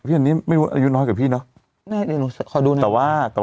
พี่ศัลนี่ไม่รู้อายุน้อยกับพี่เนาะ